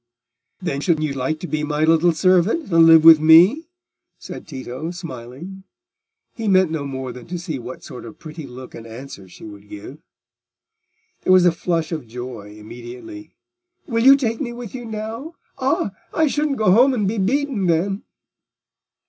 "Then should you like to be my little servant, and live with me?" said Tito, smiling. He meant no more than to see what sort of pretty look and answer she would give. There was a flush of joy immediately. "Will you take me with you now? Ah! I shouldn't go home and be beaten then."